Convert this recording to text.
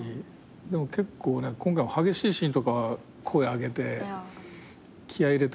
でも結構今回は激しいシーンとか声上げて気合入れたりしてたよね。